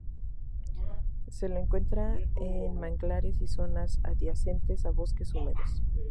Se lo encuentra en manglares y zonas adyacentes a bosques húmedos.